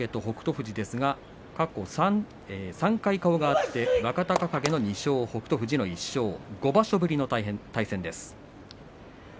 富士ですが過去３回顔が合って若隆景２勝北勝富士の１勝５場所ぶりの対戦です。